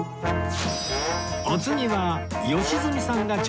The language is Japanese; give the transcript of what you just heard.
お次は良純さんが挑戦